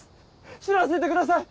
死なせてください。